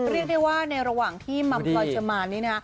เรียกได้ว่าในระหว่างที่มัมพลอยจะมานี่นะ